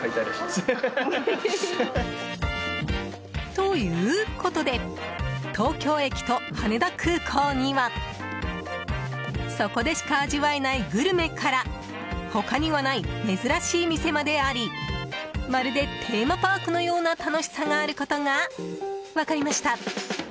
ということで東京駅と羽田空港にはそこでしか味わえないグルメから他にはない珍しい店までありまるでテーマパークのような楽しさがあることが分かりました。